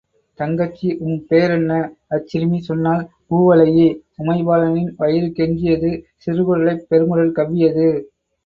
தங்கச்சி, உம் பேர் என்ன? அச்சிறுமி சொன்னாள் பூவழகி உமைபாலனின் வயிறு கெஞ்சியது சிறுகுடலைப் பெருங்குடல் கவ்வியது.